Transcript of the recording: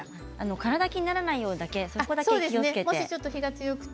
空だきにならないようにそこだけ気をつけて。